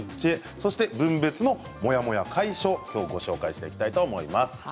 そして分別のモヤモヤ解消をご紹介していきたいと思います。